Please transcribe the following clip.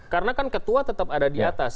karena kan ketua tetap ada di atas